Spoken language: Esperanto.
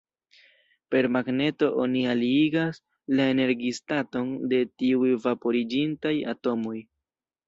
Per magneto oni aliigas la energistaton de tiuj vaporiĝintaj atomoj.